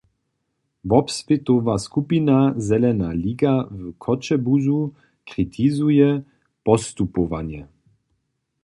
Wobswětowa skupina Zelena liga w Choćebuzu kritizuje postupowanje.